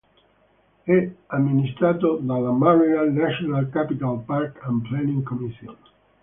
È amministrato dalla "Maryland-National Capital Park and Planning Commission".